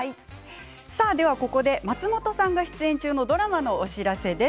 松本さんが出演中のドラマのお知らせです。